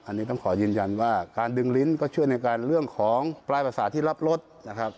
อันนี้ต้องขอยืนยันว่าการดึงลิ้นก็ช่วยในการเรื่องของปลายประสาทที่รับรถนะครับ